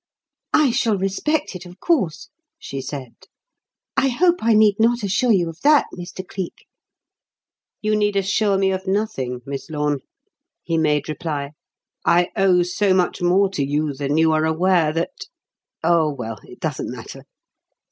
"I shall respect it, of course," she said. "I hope I need not assure you of that, Mr. Cleek." "You need assure me of nothing, Miss Lorne," he made reply. "I owe so much more to you than you are aware, that Oh, well, it doesn't matter.